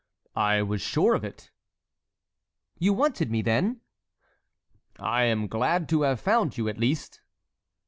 "I was sure of it." "You wanted me, then?" "I am glad to have found you, at least."